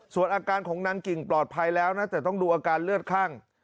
ส่วนอาการของนางกิ่งปลอดภัยแล้วนะแต่ต้องดูอาการเลือดคั่ง